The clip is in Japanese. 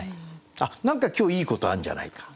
あっ何か今日いいことあんじゃないか。